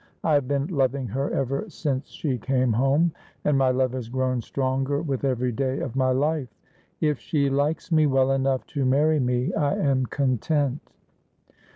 ' I have been loving her ever since she came home, and my love has grown stronger with every day of my life. If she likes me well enough to marry me, I am content.'